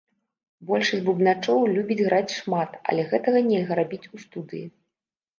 Большасць бубначоў любіць граць шмат, але гэтага нельга рабіць у студыі.